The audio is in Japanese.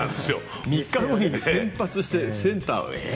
３日後に先発してセンターをえー。